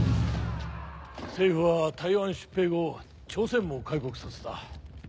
政府は台湾出兵後朝鮮も開国させた。